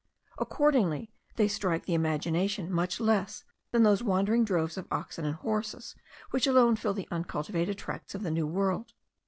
Accordingly they strike the imagination much less than those wandering droves of oxen and horses which alone fill the uncultivated tracts of the New World.